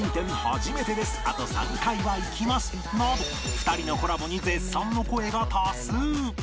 あと３回は行きます！」など２人のコラボに絶賛の声が多数